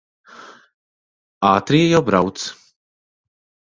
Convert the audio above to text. Ātrie jau brauc.